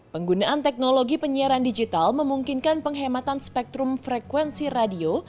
penggunaan teknologi penyiaran digital memungkinkan penghematan spektrum frekuensi radio